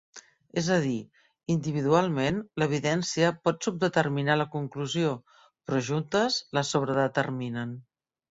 És a dir, individualment, l'evidència pot subdeterminar la conclusió, però juntes la sobredeterminen.